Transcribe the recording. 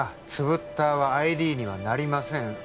つぶったーはＩＤにはなりません